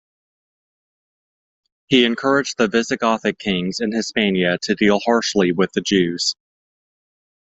He encouraged the Visigothic kings in Hispania to deal harshly with the Jews.